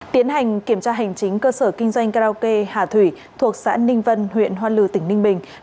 tiến hành kiểm tra hành chính cơ sở kinh doanh karaoke hà thủy thuộc xã ninh vân huyện hoa lư tỉnh ninh bình